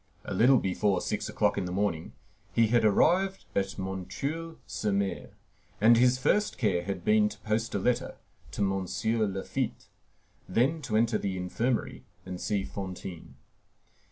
A little before six o'clock in the morning he had arrived at M. sur M., and his first care had been to post a letter to M. Laffitte, then to enter the infirmary and see Fantine.